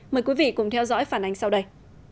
mời quý vị cùng theo dõi phản ánh sau đây